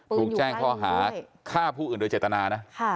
ถูกแจ้งข้อหาฆ่าผู้อื่นโดยเจตนานะ